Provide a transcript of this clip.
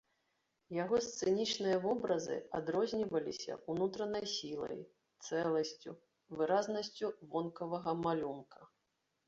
Яго сцэнічныя вобразы адрозніваліся ўнутранай сілай, цэласцю, выразнасцю вонкавага малюнка.